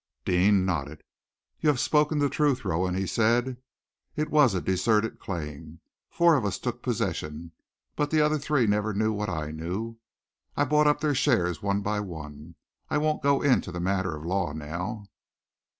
Deane nodded. "You have spoken the truth, Rowan," he said. "It was a deserted claim. Four of us took possession, but the other three never knew what I knew. I bought up their shares one by one. I won't go into the matter of law now.